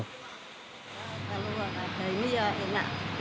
kalau nggak ada ini ya enak